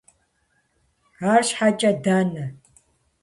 Арщхьэкӏэ, дэнэ?